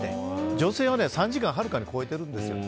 女性は３時間をはるかに超えてるんですよ。